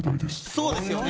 そうですよね。